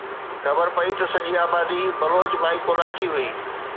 خبر پئي ته سڄي آبادي بلوچ مائي ڪولاچي هئي